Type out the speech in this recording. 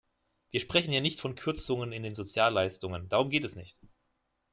Wir sprechen hier nicht von Kürzungen in den Sozialleistungen, darum geht es nicht.